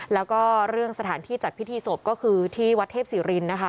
แล้วก็เรื่องสถานที่จัดพิธีศพก็คือที่วัดเทพศิรินนะคะ